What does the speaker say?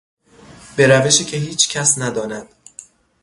به روشی که هیچ کس نداند